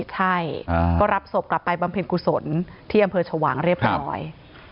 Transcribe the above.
ใช่ก็รับศพกลับไปบำเพ็ญกุศลที่อำเภอชวางเรียบร้อย